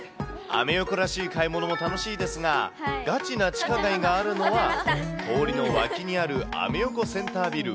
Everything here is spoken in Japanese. アメ横らしい買い物も楽しいですが、ガチな地下街があるのは、通りの脇にあるアメ横センタービ